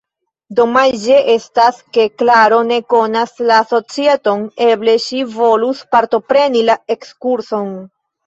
Domaĝe estas, ke Klaro ne konas la societon, eble ŝi volus partopreni la ekskurson.